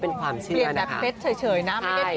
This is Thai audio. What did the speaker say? เปลี่ยนแบบเพชรเฉยนะ